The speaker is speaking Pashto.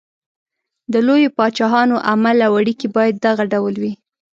د لویو پاچاهانو عمل او اړېکې باید دغه ډول وي.